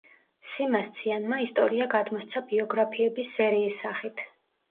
სიმას ციანმა ისტორია გადმოსცა ბიოგრაფიების სერიის სახით.